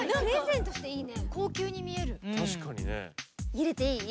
入れていい？